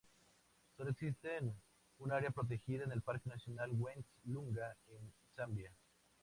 Sólo existe un área protegida: el Parque nacional West Lunga, en Zambia.